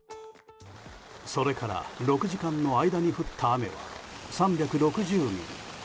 それから６時間の間に降った雨は３６０ミリ。